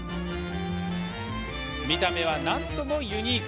見た目は、なんともユニーク。